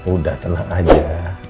udah tenang aja